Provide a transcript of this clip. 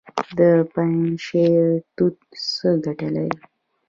د پنجشیر توت څه ګټه لري؟